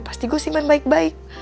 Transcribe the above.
pasti gua simpan baik baik